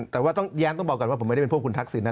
แต่ว่าต้องแย้งต้องบอกก่อนว่าผมไม่ได้เป็นพวกคุณทักษิณนะ